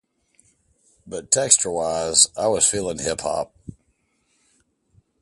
But texture-wise I was feeling hip-hop.